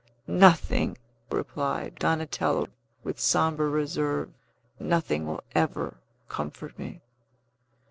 "Nothing!" replied Donatello, with sombre reserve. "Nothing will ever comfort me."